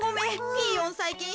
ピーヨンさいきん